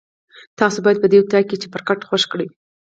تاسو باید په دې اطاق کې چپرکټ خوښ کړئ.